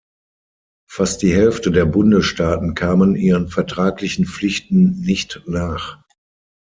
Fast die Hälfte der Bundesstaaten kamen ihren vertraglichen Pflichten nicht nach.